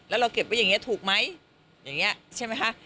แล้วเราเก็บไว้อย่างนี้ถูกไหมอย่างนี้ใช่ไหมคะ